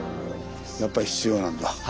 やっぱ必要なんだ。